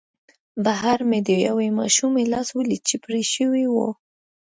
بهر مې د یوې ماشومې لاس ولید چې پرې شوی و